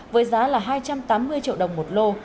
với giá là hai trăm tám mươi triệu đồng một lô